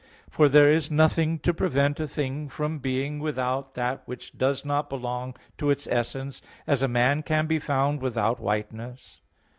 For there is nothing to prevent a thing from being without that which does not belong to its essence, as a man can be found without whiteness.